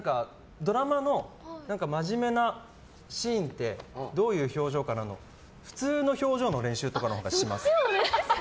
ドラマのまじめなシーンってどういう表情かなの普通の表情の練習のほうがします。